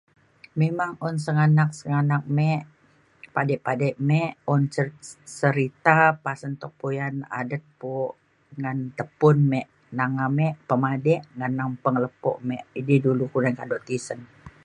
memang un senganak senganak mik, padik padik me un se serita pasen tuk puyan adet pu ngan tepun mik nang amik pemadik na ngan pengelepok mik na idi kelunan kaduk tisen.